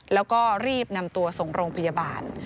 แล้วก็รีบนำตัวส่งโรงพยาบาล